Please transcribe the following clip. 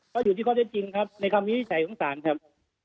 ก็อยู่ที่ก็ได้จริงครับในความวิจัยของศาลครับ